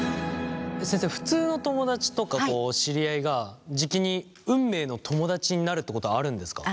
先生普通の友だちとか知り合いがじきに運命の友だちになるってことはあるんですか？